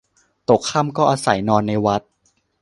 ตกค่ำก็อาศัยนอนในวัด